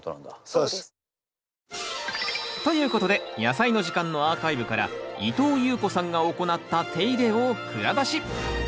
そうです。ということで「やさいの時間」のアーカイブから伊藤裕子さんが行った手入れを蔵出し。